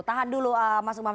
tahan dulu mas umam